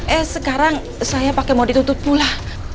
eh sekarang saya pake modi tutup pula